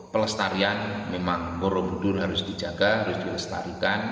pelestarian memang borobudur harus dijaga harus dilestarikan